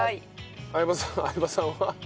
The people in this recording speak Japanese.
相葉さん相葉さんは？